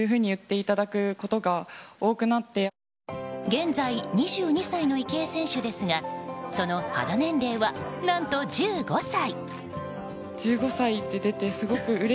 現在、２２歳の池江選手ですがその肌年齢は何と１５歳！